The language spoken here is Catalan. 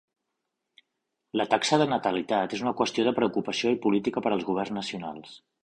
La taxa de natalitat és una qüestió de preocupació i política per als governs nacionals.